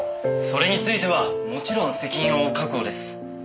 それについてはもちろん責任を負う覚悟です。